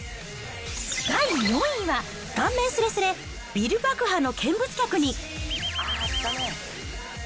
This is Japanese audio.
第４位は、顔面すれすれ！ビル爆破の見物客に×××。